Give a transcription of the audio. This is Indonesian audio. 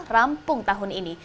rampung tahun ini